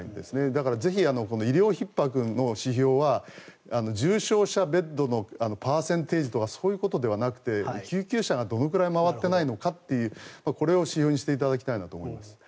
だから、ぜひ医療ひっ迫の指標は重症者ベッドのパーセンテージとかそういうことではなくて救急車がどのぐらい回ってないのかというこれを指標にしていただきたいなと思います。